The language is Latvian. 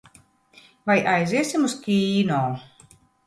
Vai aiziesim uz kīno?